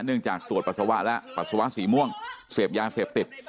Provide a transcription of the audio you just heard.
จากตรวจปัสสาวะแล้วปัสสาวะสีม่วงเสพยาเสพติด